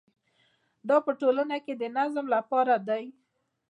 دا په ټولنه کې د نظم لپاره دی.